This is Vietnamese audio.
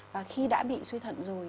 và khi đã bị suy thận rồi